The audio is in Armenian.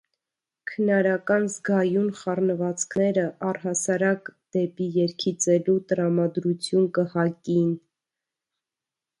Քնարական գգայուն խառնուածքները առ հասարակ դէպի երգիծելու տրամադրութիւն կը հակին։